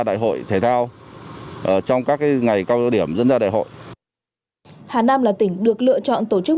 đại hội thể thao trong các cái ngày cao độ điểm diễn ra đại hội hà nam là tỉnh được lựa chọn tổ chức